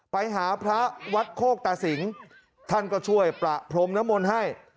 ในวัดคโกกต่าสิงฯท่านก็ช่วยประพรมนมลบ์ให้